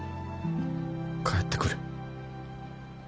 帰ってくれ。